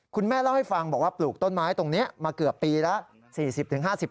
คุณแม่เล่าให้ฟังบอกว่าปลูกต้นไม้ตรงนี้มาเกือบปีแล้ว